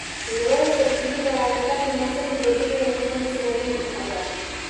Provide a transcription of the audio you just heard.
ژورې سرچینې د افغانستان د موسم د بدلون یو له مهمو سببونو څخه ده.